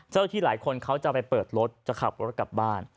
เจ้าที่หลายคนเขาจะไปเปิดรถจะขับรถกลับบ้าน